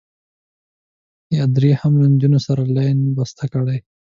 پادري هم له نجونو سره لین بسته کړی.